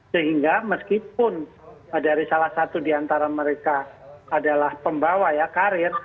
sehingga meskipun dari salah satu di antara mereka adalah pembawa ya karir